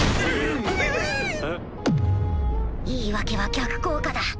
言い訳は逆効果だ